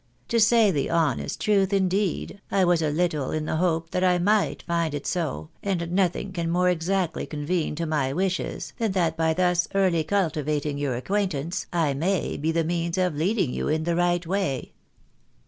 To say the honest truth, indeed, I was a little in the hope that I might find it so, and nothing can more exactlj'^ convene to my wishes than that by thus early cultivating your acquaintance I may be the means of leading you in the right way."